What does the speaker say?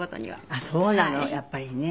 「あっそうなの。やっぱりね。